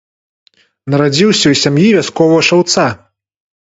Нарадзіўся ў сям'і вясковага шаўца.